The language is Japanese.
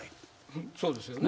そうですよね。